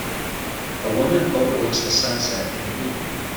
A woman overlooks the sunset in the evening.